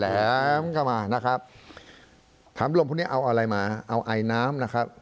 แล้วมันก็มานะครับถามลมพรุ่งเนี้ยเอาอะไรมาเอาไอน้ำนะครับ